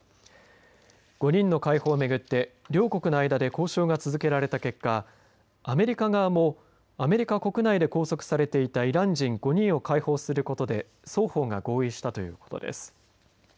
５人の解放を巡って両国の間で交渉が続けられた結果アメリカ側も、アメリカ国内で拘束されていたイラン人５人を解放することで双方が合意したということです。